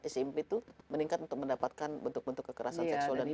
smp itu meningkat untuk mendapatkan bentuk bentuk kekerasan